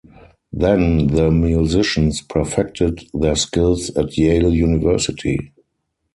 Then the musicians perfected their skills at Yale University.